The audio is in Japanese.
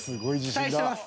期待してます。